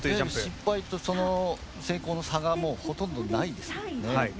失敗と成功の差がもう、ほとんどないですもんね。